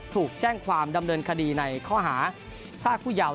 ถูกแจ้งความดำเนินคดีในข้อหาพรากผู้เยาว์